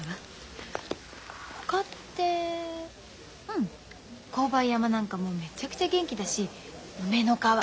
ほかってうん紅梅山なんかもめちゃくちゃ元気だし梅ノ川